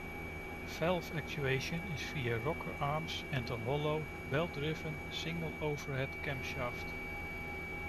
Valve actuation is via rocker arms and a hollow, belt-driven single overhead camshaft.